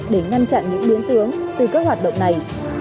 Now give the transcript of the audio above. để ngăn chặn những biến tướng từ các hoạt động này